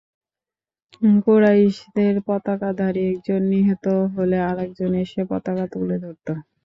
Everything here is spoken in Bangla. কুরাইশদের পতাকাধারী একজন নিহত হলে আরেকজন এসে পতাকা তুলে ধরত।